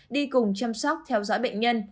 đi cùng chăm sóc theo dõi bệnh nhân